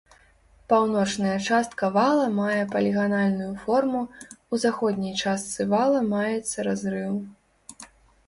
Паўночная частка вала мае паліганальную форму, у заходняй частцы вала маецца разрыў.